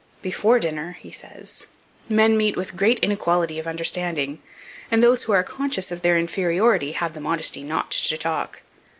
"Before dinner," he says, "men meet with great inequality of understanding; and those who are conscious of their inferiority have the modesty not to talk.